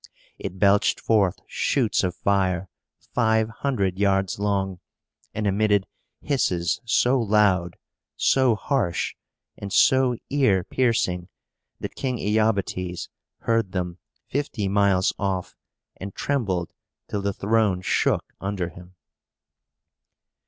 It belched forth shoots of fire five hundred yards long, and emitted hisses so loud, so harsh, and so ear piercing, that King Iobates heard them, fifty miles off, and trembled till the throne shook under him.